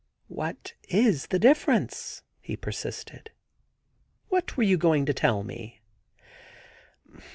*What is the difference?' he persisted. * What were you going to tell me